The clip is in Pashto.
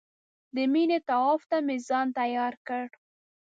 د مینې طواف ته مې ځان تیار کړ.